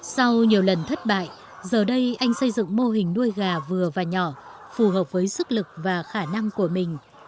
sau nhiều lần thất bại giờ đây anh xây dựng mô hình nuôi gà vừa và nhỏ phù hợp với sức lực và khả năng của mình